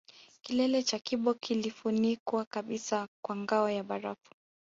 Kilele cha Kibo kilifunikwa kabisa kwa ngao ya barafu